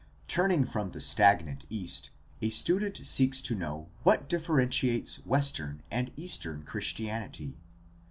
— Turning from the stagnant East a student seeks to know what differentiates Western and Eastern Christianity.